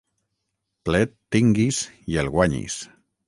Plet tinguis i el guanyis.